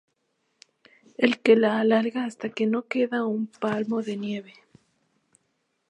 El que la alarga hasta que no queda un palmo de nieve.